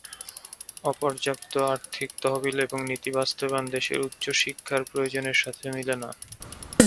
অপর্যাপ্ত আর্থিক তহবিল এবং নীতি বাস্তবায়ন দেশের উচ্চশিক্ষার প্রয়োজনের সাথে মিলে না।